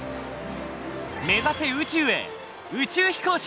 目指せ宇宙へ宇宙飛行士！